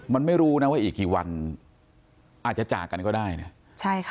มันไม่รู้นะว่าอีกกี่วันอาจจะจากกันก็ได้เนี่ยใช่ค่ะ